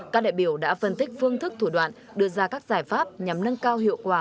các đại biểu đã phân tích phương thức thủ đoạn đưa ra các giải pháp nhằm nâng cao hiệu quả